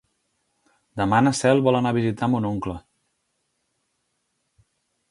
Demà na Cel vol anar a visitar mon oncle.